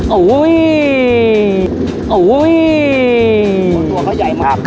โอเค